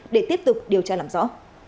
để tiếp tục điều tra làm rõ